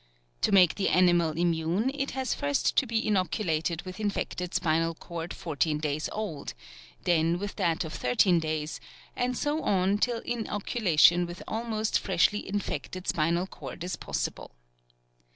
To make the animal immune it has first to be inoculated with infected spinal cord fourteen days old, then with that of thirteen days, and so on till inoculation with almost freshly infected spinal cord is possible.